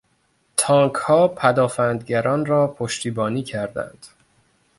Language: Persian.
تانکها پدآفندگران را پشتیبانی کردند.